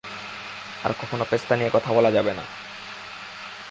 আর কখনো পেস্তা নিয়ে কথা বলা যাবেনা।